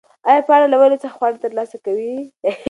ایا پاڼه له ونې څخه خواړه ترلاسه کوي؟